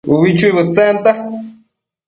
ubi chuibëdtsenta